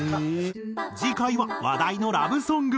次回は話題のラブソング